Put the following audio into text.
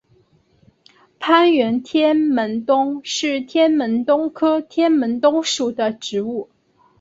攀援天门冬是天门冬科天门冬属的植物。